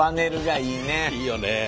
いいよね。